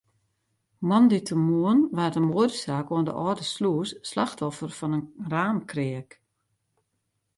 Moandeitemoarn waard in moadesaak oan de Alde Slûs slachtoffer fan in raamkreak.